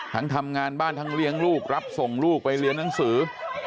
ทำงานบ้านทั้งเลี้ยงลูกรับส่งลูกไปเรียนหนังสือ